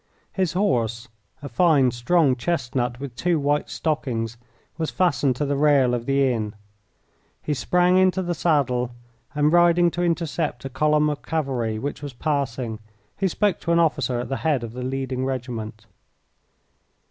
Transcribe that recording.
His horse, a fine, strong chestnut with two white stockings, was fastened to the rail of the inn. He sprang into the saddle, and, riding to intercept a column of cavalry which was passing, he spoke to an officer at the head of the leading regiment.